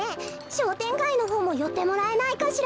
しょうてんがいのほうもよってもらえないかしら。